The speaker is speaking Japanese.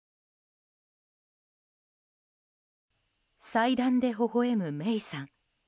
祭壇でほほ笑む芽生さん。